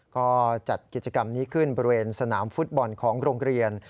ก็จัดกิจกรรมนี้ขึ้นบริเวณสนามฟุตบอลของโรงเรียน